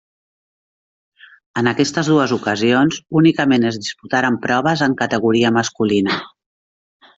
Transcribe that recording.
En aquestes dues ocasions únicament es disputaren proves en categoria masculina.